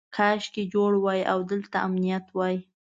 کاشکې جوړ وای او دلته امنیت وای.